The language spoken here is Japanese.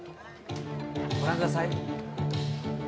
ご覧ください。